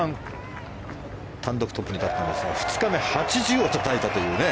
単独トップに立ったんですが２日目、８０をたたいたという。